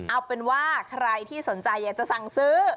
เอาเป็นว่าใครที่สนใจอยากจะสั่งซื้อ